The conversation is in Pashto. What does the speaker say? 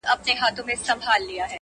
ځو به چي د شمعي پر لار تلل زده کړو!!